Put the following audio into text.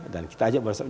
dan kita ajak bersama